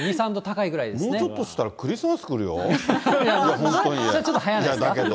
２、もうちょっとしたらクリスマそれはちょっと早いですが。